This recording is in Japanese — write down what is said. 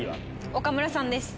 岡村さんです。